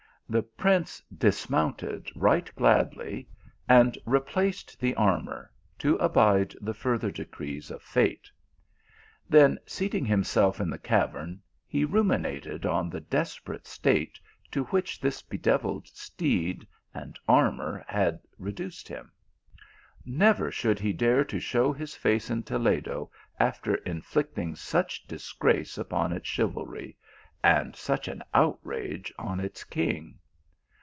The prince dismounted right gladly, and replaced the armour, to abide the further de crees of fate. Then seating himself in the cavern, he ruminated on the desperate state to which this bedeviled steed and armour had reduced him. Never should he dare to show his face at Toledo, after in flicting such disgrace upon its chivalry, and such an outrage on its king.